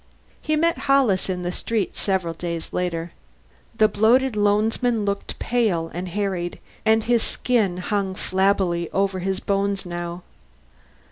He met Hollis in the street several days later. The bloated loansman looked pale and harried; he had lost weight, and his skin hung flabbily over his bones now.